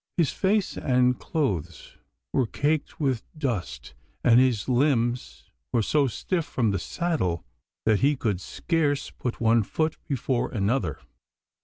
His face and clothes were caked with dust, and his limbs were so stiff from the saddle that he could scarce put one foot before another.